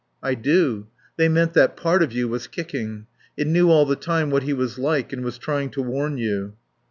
"I do. They meant that part of you was kicking. It knew all the time what he was like and was trying to warn you."